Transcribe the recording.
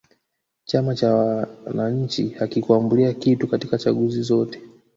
chama cha wananchi hakikuambulia kitu katika chaguzi zote